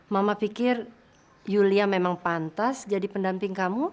mama pikir yulia memang pantas jadi pendamping kamu